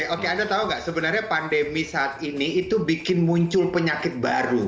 oke anda tahu nggak sebenarnya pandemi saat ini itu bikin muncul penyakit baru